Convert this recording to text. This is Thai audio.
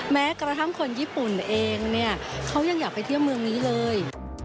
แม้กระทั่งคนญี่ปุ่นเองเนี่ยเขายังอยากไปเที่ยวเมืองนี้เลย